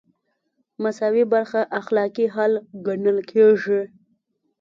مساوي برخه اخلاقي حل ګڼل کیږي.